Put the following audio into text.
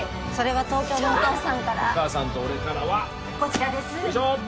それは東京のお父さんからお母さんと俺からはこちらですよいしょ！